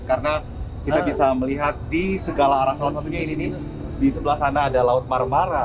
karena kita bisa melihat di segala arah salah satunya ini di sebelah sana ada laut marmara